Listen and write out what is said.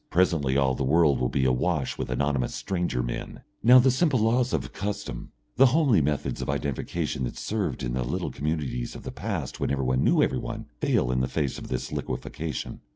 Presently all the world will be awash with anonymous stranger men. Now the simple laws of custom, the homely methods of identification that served in the little communities of the past when everyone knew everyone, fail in the face of this liquefaction.